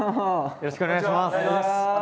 よろしくお願いします。